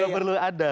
gak perlu ada